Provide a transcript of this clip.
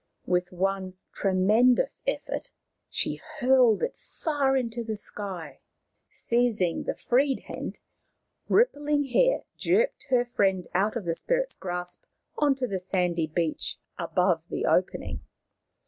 With one tremendous effort she hurled it far into the sky. Seizing the freed hand, Rippling Hair jerked her friend out of the spirit's grasp on to the sandy beach above the opening.